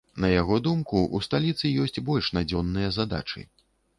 На яго думку, у сталіцы ёсць больш надзённыя задачы.